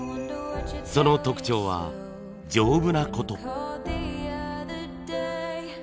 その特徴は丈夫なこと。